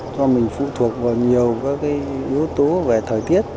cho mình phụ thuộc vào nhiều cái yếu tố về thời tiết